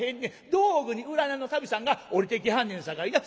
道具に占いの神さんが降りてきはんねんさかいな。